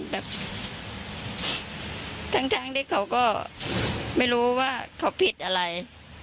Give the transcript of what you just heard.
แบบทั้งที่เขาก็ไม่รู้ว่าเขาผิดอะไร